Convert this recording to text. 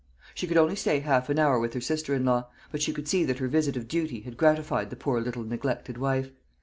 She could only stay half an hour with her sister in law; but she could see that her visit of duty had gratified the poor little neglected wife.